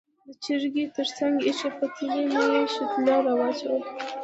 د چرګۍ تر څنګ ایښې پتیلې نه یې شوتله راواچوله.